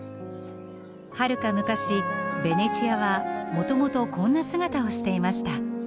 はるか昔ベネチアはもともとこんな姿をしていました。